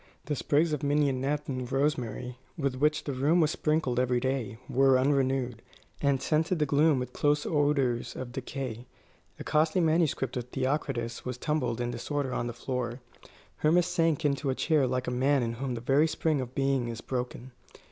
The sprigs of mignonette and rosemary, with which the room was sprinkled every day, were unrenewed, and scented the gloom with close odours of decay. A costly manuscript of Theocritus was tumbled in disorder on the floor. Hermas sank into a chair like a man in whom the very spring of being is broken.